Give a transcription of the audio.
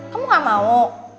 kamu gak mau